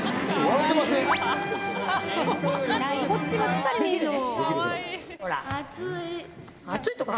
こっちばっかり見るの！